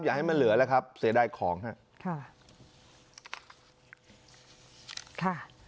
ให้มันเหลือแล้วครับเสียดายของครับ